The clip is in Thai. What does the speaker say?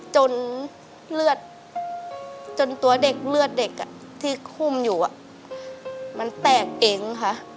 จนเลือดจนตัวเด็กเลือดเด็กที่คุ่มอยู่มันแตกเองค่ะ